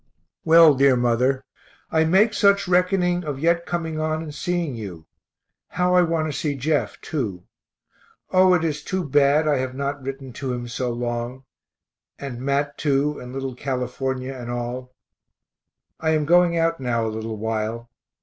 Well, dear mother, I make such reckoning of yet coming on and seeing you. How I want to see Jeff, too O, it is too bad I have not written to him so long and Mat, too, and little California and all. I am going out now a little while.